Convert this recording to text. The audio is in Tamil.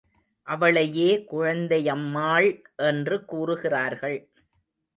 அவளையே குழந்தையம்மாள் என்று கூறுகிறார்கள்.